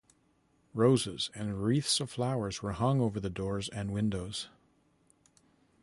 Roses and wreaths of flowers were hung over the doors and windows.